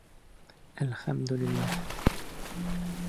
Әлхәмдуллилләһ